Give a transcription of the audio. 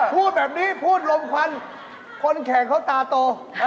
พูดแบบนี้พูดลมควันคนแข่งเขาตาโต